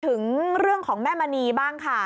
ถึงเรื่องของแม่มณีบ้างค่ะ